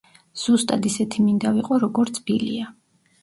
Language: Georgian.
ზუსტად ისეთი მინდა ვიყო, როგორც ბილია.